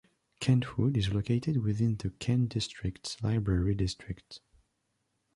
Kentwood is located within the Kent District Library district.